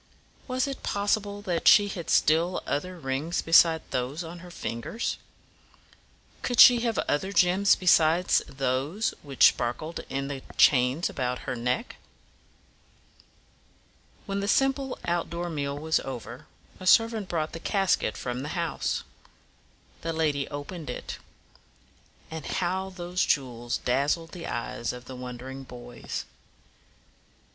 Was it possible that she had still other rings besides those on her fingers? Could she have other gems besides those which sparkled in the chains about her neck? When the simple out door meal was over, a servant brought the casket from the house. The lady opened it. Ah, how those jewels dazzled the eyes of the wondering boys!